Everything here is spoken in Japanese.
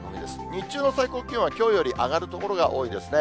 日中の最高気温はきょうより上がる所が多いですね。